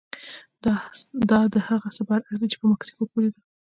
دا د هغه څه برعکس دي چې په مکسیکو کې ولیدل.